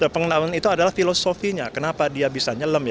pengenalan itu adalah filosofinya kenapa dia bisa nyelem ya